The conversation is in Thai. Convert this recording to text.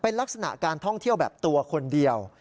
เป็นลักษณะการท่องเที่ยวแบบตัวคนเดียว